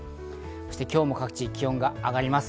そして今日も各地、気温が上がります。